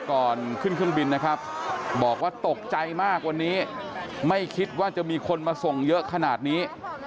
ก่อนขึ้นเครื่องบินนะครับบอกว่าตกใจมากวันนี้ไม่คิดว่าจะมีคนมาส่งเยอะขนาดนี้